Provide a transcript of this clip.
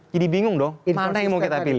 jadi bingung dong mana yang mau kita pilih